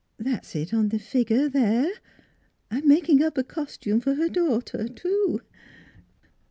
That's it on the figure there. I'm making up a costume for her daughter, too."